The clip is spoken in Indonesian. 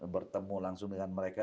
bertemu langsung dengan mereka